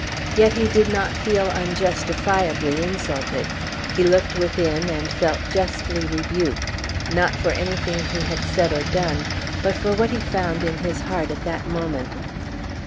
Yet he did not feel unjustifiably insulted; he looked within, and felt justly rebuked; not for anything he had said or done, but for what he found in his heart at that moment.